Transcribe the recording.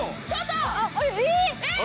えっ！？